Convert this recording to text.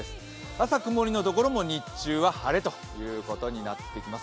朝曇りのところも日中は晴れということになっていきます。